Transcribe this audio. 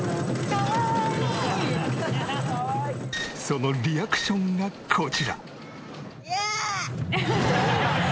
そのリアクションがこちら。